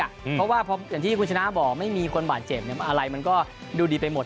เพราะว่าอย่างที่คุณชนะบอกไม่มีคนบาดเจ็บอะไรมันก็ดูดีไปหมด